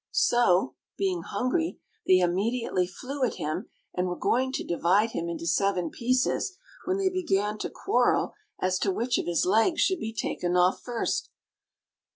So, being hungry, they immediately flew at him, and were going to divide him into seven pieces when they began to quarrel as to which of his legs should be taken off first.